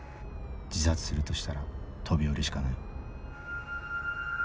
自殺するとしたら飛び降りしかない。